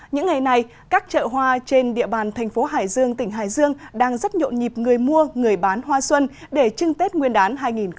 những ngày này các chợ hoa trên địa bàn thành phố hải dương tỉnh hải dương đang rất nhộn nhịp người mua người bán hoa xuân để chưng tết nguyên đán hai nghìn hai mươi